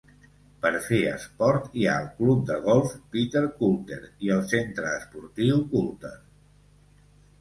Per fer esport, hi ha el club de golf Peterculter i el centre esportiu Culter.